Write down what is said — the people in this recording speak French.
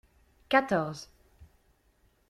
Quatorze.